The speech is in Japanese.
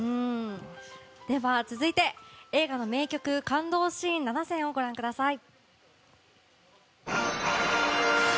では、続いて映画の名曲感動シーン７選をご覧ください。